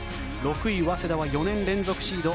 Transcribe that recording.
６位、早稲田は４年連続シード。